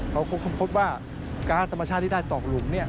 เขาคงคงพบว่าการสมชาติที่ได้ตอกหลุม